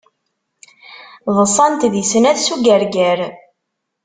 Ḍsant di snat s ugarger.